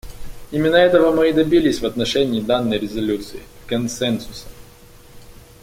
Именно этого мы и добились в отношении данной резолюции — консенсуса.